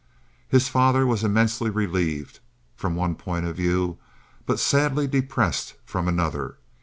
His father was immensely relieved from one point of view, but sadly depressed from another.